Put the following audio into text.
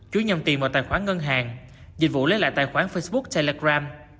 chú nhầm tiền vào tài khoản ngân hàng dịch vụ lấy lại tài khoản facebook telegram